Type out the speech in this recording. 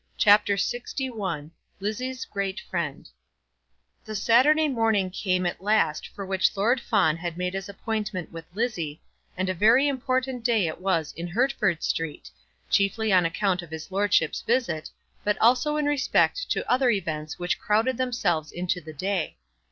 CHAPTER LXI Lizzie's Great Friend The Saturday morning came at last for which Lord Fawn had made his appointment with Lizzie, and a very important day it was in Hertford Street, chiefly on account of his lordship's visit, but also in respect to other events which crowded themselves into the day.